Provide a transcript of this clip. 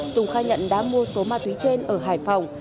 tùng khai nhận đã mua số ma túy trên ở hải phòng